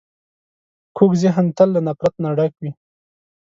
کوږ ذهن تل له نفرت نه ډک وي